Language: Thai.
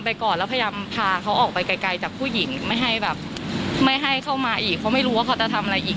ไปไกลจากผู้หญิงไม่ให้เข้ามาอีกเขาไม่รู้ว่าเขาจะทำอะไรอีก